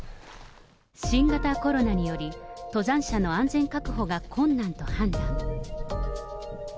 新型コロナにより、登山者の安全確保が困難と判断。